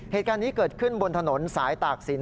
เหตุการณ์นี้เกิดขึ้นบนถนนสายตากศิลป